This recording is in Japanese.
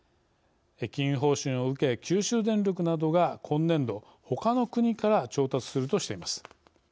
禁輸方針を受け、九州電力などが今年度、ほかの国から調達するとしています。